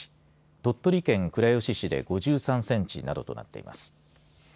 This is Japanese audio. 鳥取県倉吉市で５３センチなどとなっています。